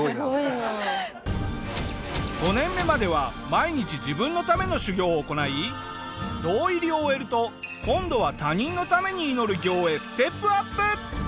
５年目までは毎日自分のための修行を行い堂入りを終えると今度は他人のために祈る行へステップアップ！